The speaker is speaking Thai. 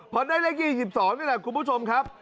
พอได้เลข๒๒นี่แหละคุณผู้ชมครับ